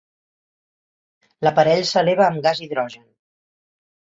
L'aparell s'eleva amb gas hidrogen.